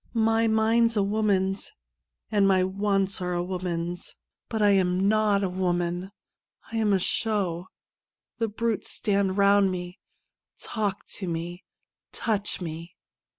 My mind's a woman's and my w^ants are a woman's, but I ain not a woman. I am a show. The brutes stand round me, talk to me, touch me